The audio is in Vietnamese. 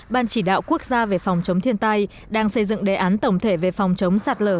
ban chỉ đạo quốc gia về phòng chống thiên tai đang xây dựng đề án tổng thể về phòng chống sạt lở